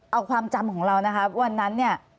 เอาความจำของเราวันนั้น